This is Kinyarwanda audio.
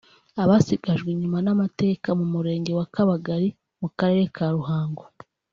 Abasigajwe inyuma n’amateka mu Murenge wa Kabagali mu Karere ka Ruhango